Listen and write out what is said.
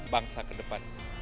bangsa ke depan